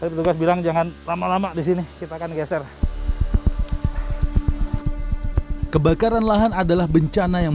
petugas bilang jangan lama lama disini kita akan geser kebakaran lahan adalah bencana yang